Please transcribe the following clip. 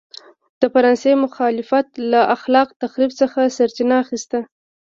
د فرانسیس مخالفت له خلاق تخریب څخه سرچینه اخیسته.